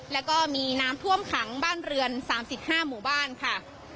แล้วก็มีน้ำท่วมขังบ้านเรือน๓๕หมู่บ้านค่ะ